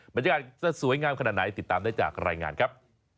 บรรยากาศจะสวยงามขนาดไหนติดตามได้จากรายงานครับ